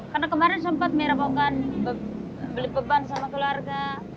karena kemarin sempat merepotkan beli beban sama keluarga